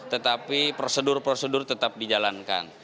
tetapi prosedur prosedur tetap dijalankan